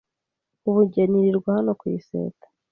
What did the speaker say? “Ubu njye nirirwa hano ku iseta,